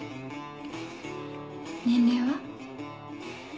年齢は？